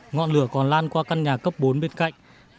ngọn lửa còn lan qua căn nhà cấp bốn bên cạnh